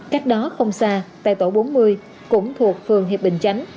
cách đó không xa tại tổ bốn mươi cũng thuộc phường hiệp bình chánh